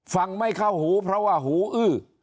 ฟังไม่เข้าหูเพราะว่าหูอื้อ